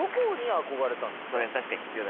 それ確かに必要だ。